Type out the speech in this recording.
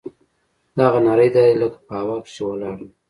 دغه نرى دهلېز لکه په هوا کښې چې ولاړ وي.